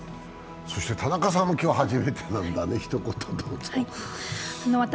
田中さんも今日初めてなんだね、ひと言どうぞ。